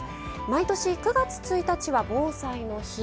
毎年９月１日は防災の日。